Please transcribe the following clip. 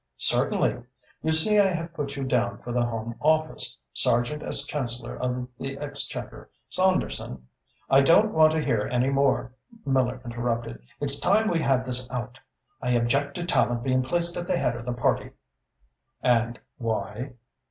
"Certainly! You see I have put you down for the Home Office, Sargent as Chancellor of the Exchequer, Saunderson " "I don't want to hear any more," Miller interrupted. "It's time we had this out. I object to Tallente being placed at the head of the party." "And why?"